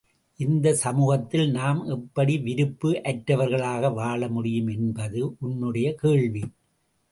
இந்தச் சமூகத்தில் நாம் எப்படி விருப்பு அற்றவர்களாக வாழமுடியும் என்பது உன்னுடைய கேள்வி!